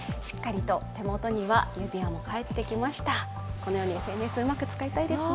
このようにＳＮＳをうまく使いたいですね。